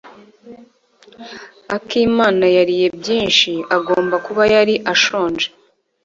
Akimana yariye byinshi. Agomba kuba yari ashonje.